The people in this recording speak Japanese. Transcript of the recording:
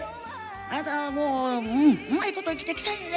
あなた、もう、うん、うまいこと生きてきたんやで！